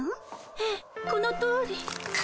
ええこのとおり。